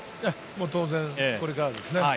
当然これからですね。